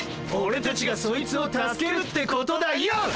オレたちがそいつを助けるってことだよ！